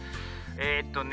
えっとね